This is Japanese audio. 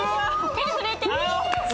手震えてる！